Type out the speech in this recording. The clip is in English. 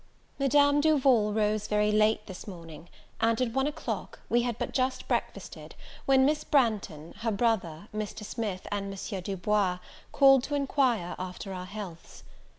MADAME DUVAL rose very late this morning, and, at one o'clock, we had but just breakfasted, when Miss Branghton, her brother, Mr. Smith, and Monsieur Du Bois, called to enquire after our healths.